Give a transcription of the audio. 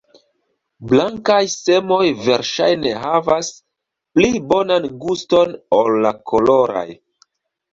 Blankaj semoj verŝajne havas pli bonan guston ol la koloraj.